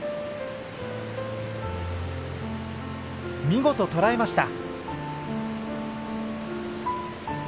見事捕らえました。